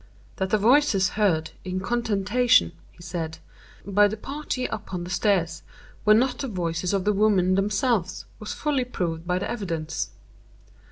"That the voices heard in contention," he said, "by the party upon the stairs, were not the voices of the women themselves, was fully proved by the evidence.